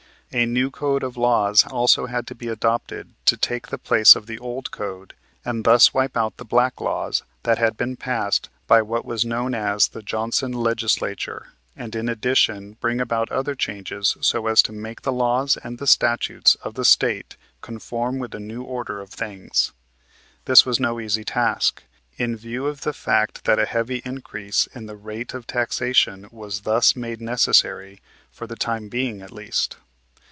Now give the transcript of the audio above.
A new code of laws also had to be adopted to take the place of the old code and thus wipe out the black laws that had been passed by what was known as the Johnson Legislature and in addition bring about other changes so as to make the laws and statutes of the State conform with the new order of things. This was no easy task, in view of the fact that a heavy increase in the rate of taxation was thus made necessary, for the time being at least.